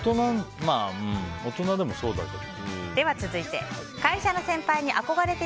大人でもそうだけど。